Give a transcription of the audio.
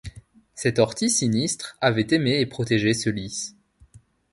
Cette ortie sinistre avait aimé et protégé ce lys.